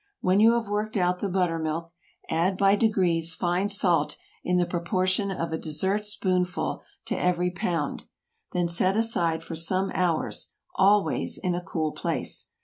When you have worked out the butter milk, add by degrees fine salt in the proportion of a dessertspoonful to every pound. Then set aside for some hours, always in a cool place.